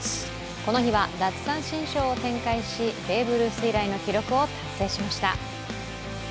この日は奪三振ショーを展開しベーブ・ルース以来の記録を達成しました。